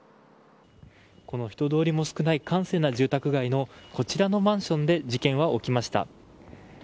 人通りも少ない閑静な住宅街のこちらのマンションで事件は起きました。